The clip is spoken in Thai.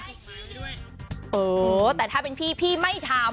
โอ้โหแต่ถ้าเป็นพี่พี่ไม่ทำ